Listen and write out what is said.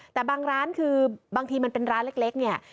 แต่บางร้านคือบางทีมันเป็นร้านเล็กเนี่ย